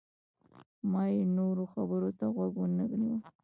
ما یې نورو خبرو ته غوږ ونه نیوه.